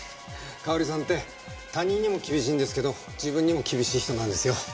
香織さんって他人にも厳しいんですけど自分にも厳しい人なんですよ。